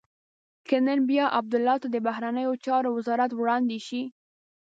که نن بیا عبدالله ته د بهرنیو چارو وزارت وړاندې شي.